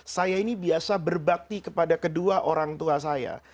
saya ini biasa berbakti kepada kedua orang tua saya